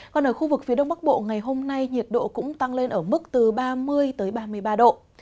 còn ở khu vực phía đông bắc bộ ngày hôm nay nhiệt độ cũng tăng lên ở mức từ ba mươi ba mươi ba độ